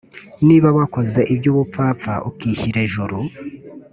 niba wakoze iby ubupfapfa ukishyira ejuru